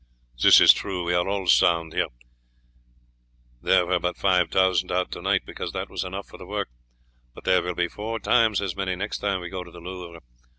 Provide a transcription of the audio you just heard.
"That is true. We are all sound here; there were but five thousand out to night, because that was enough for the work, but there will be four times as many next time we go to the Louvre.